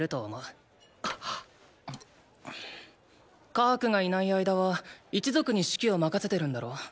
カハクがいない間は一族に指揮を任せてるんだろ？